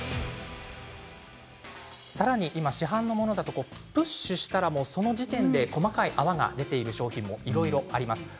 さらに今、市販のものだとプッシュしたらその時点で細かい泡が出ている商品もいろいろあります。